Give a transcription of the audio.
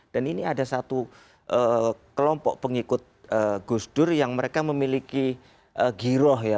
dan ini ada satu kelompok pengikut gusdur yang mereka memiliki giroh ya